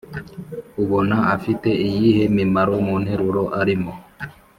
ubona afite iyihe mimaro mu nteruro arimo?